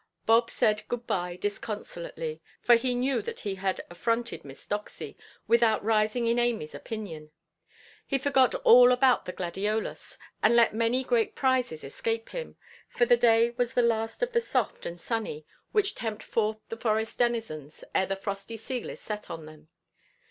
Bob said "good–bye" disconsolately, for he knew that he had affronted Miss Doxy, without rising in Amyʼs opinion. He forgot all about the gladiolus, and let many great prizes escape him; for the day was the last of the soft and sunny, which tempt forth the forest denizens ere the frosty seal is set on them.